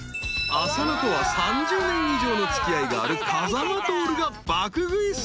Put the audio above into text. ［浅野とは３０年以上の付き合いがある風間トオルが爆食い助っ人に］